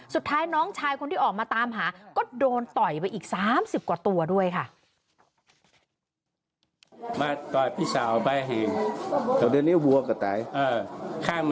สุดท้ายน้องชายคนที่ออกมาตามหาก็โดนต่อยไปอีก๓๐กว่าตัวด้วยค่ะ